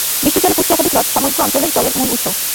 বৃষ্টির জলে পুষ্ট একাধিক হ্রদ সমগ্র অঞ্চলের জলের মূল উৎস।